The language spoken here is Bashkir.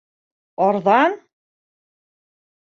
Арҙан!